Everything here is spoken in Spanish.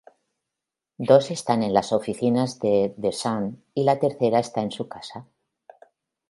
Dos están en las oficinas de"The Sun" y la tercera está en su casa.